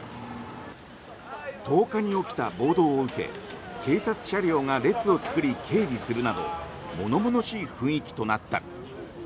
１０日に起きた暴動を受け警察車両が列を作り警備するなど物々しい雰囲気となった。